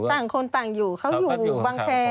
ต่างคนต่างอยู่เขาอยู่บางแคร์